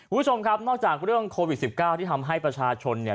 คุณผู้ชมครับนอกจากเรื่องโควิด๑๙ที่ทำให้ประชาชนเนี่ย